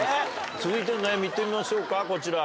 続いての悩み、いってみましょうか、こちら。